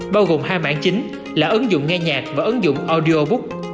bao gồm hai mảng chính là ứng dụng nghe nhạc và ứng dụng audiobook